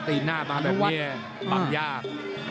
เตะหน้ามาบางเนียรปังยาก